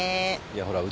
いやほら。